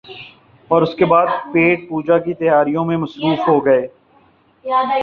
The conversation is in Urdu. اوراس کے بعد پیٹ پوجا کی تیاریوں میں مصروف ہو گئے ۔